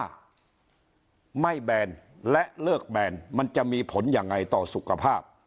ว่าไม่แบนและเลิกแบนมันจะมีผลยังไงต่อสุขภาพ